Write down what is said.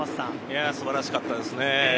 素晴らしかったですね。